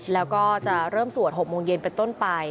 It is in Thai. แล้วก็จะเริ่มสวด๖โมงเย็นเป็นต้นไป